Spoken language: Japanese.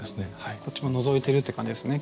こっちものぞいてるって感じですね